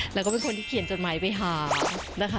แล้วก็เป็นคนที่เขียนจดหมายไปหานะคะ